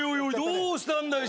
どうしたんだい？